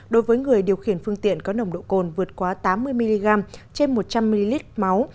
đối với người điều khiển phương tiện có nồng độ cồn vượt quá tám mươi mg trên một trăm linh ml máu